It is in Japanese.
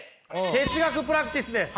哲学プラクティスです！